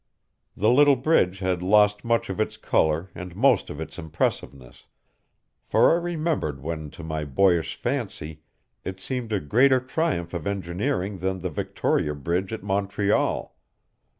The little bridge had lost much of its color and most of its impressiveness, for I remembered when to my boyish fancy it seemed a greater triumph of engineering than the Victoria bridge at Montreal.